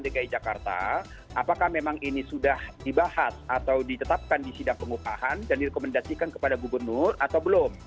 dki jakarta apakah memang ini sudah dibahas atau ditetapkan di sidang pengupahan dan direkomendasikan kepada gubernur atau belum